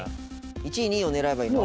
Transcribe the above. １位２位を狙えばいいの？